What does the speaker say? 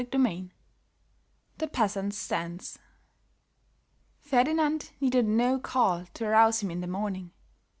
CHAPTER IV THE PEASANTS' DANCE FERDINAND needed no call to arouse him in the morning.